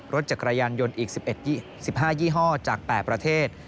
รถจักรยานยนต์อีก๑๕ยี่ห้อจาก๘ประเทศ